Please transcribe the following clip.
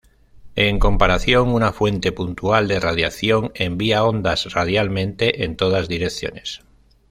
En comparación, una fuente puntual de radiación envía ondas radialmente en todas direcciones.